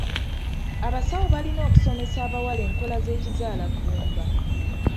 Abasawo balina okusomesa abawala enkola z'ekizaalaggumba.